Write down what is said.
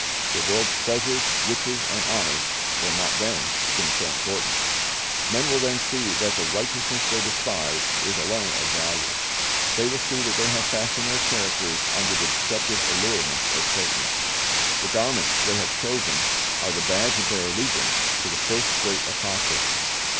The world's pleasures, riches, and honors will not then seem so important. Men will then see that the righteousness they despised is alone of value. They will see that they have fashioned their characters under the deceptive allurements of Satan, The garments 1 Rey. 20 : n, 12 " Without a IVcddifig Garment 310 they have chosen are the badge of their allegiance to the first great apostate.